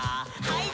はい。